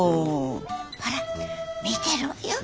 ほら見てるわよ。